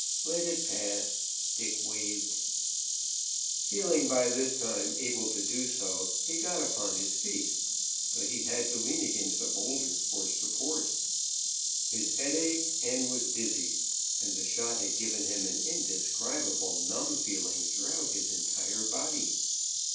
"Let it pass," Dick waived. Feeling by this time able to do so, he got upon his feet, but he had to lean against a boulder for support. His head ached and was dizzy, and the shot had given him an indescribable numb feeling throughout his entire body.